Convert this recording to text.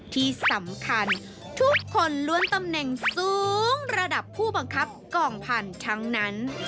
ที่สำคัญทุกคนล้วนตำแหน่งสูงระดับผู้บังคับกองพันธุ์ทั้งนั้น